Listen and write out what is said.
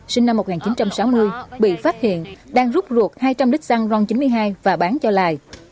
sinh năm một nghìn chín trăm sáu mươi bị phát hiện đang rút ruột hai trăm linh lít xăng ron chín mươi hai và bán cho lài